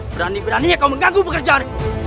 berani beraninya kau mengganggu pekerjaan